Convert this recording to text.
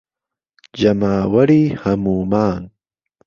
جهماوهری ههموومان